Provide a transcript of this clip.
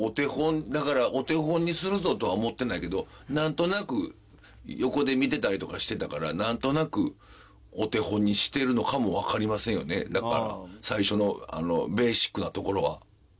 だから「お手本にするぞ」とは思ってないけどなんとなく横で見てたりとかしてたからなんとなくお手本にしてるのかもわかりませんよねだから。